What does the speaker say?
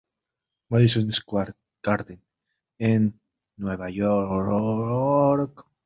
Madison Square Garden en Nueva York.